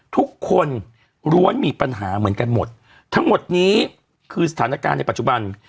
ทุกคนล้วนมีปัญหาเหมือนกันหมดทั้งหมดนี้คือสถานการณ์ในปัจจุบัน